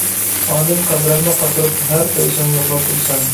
ئاندىن قەبرەمنى قاتۇرۇپ ھەر پەيشەنبە يوقلاپ تۇرىسەن!